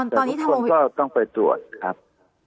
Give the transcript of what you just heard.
แต่ทุกคนก็ต้องไปตรวจครับ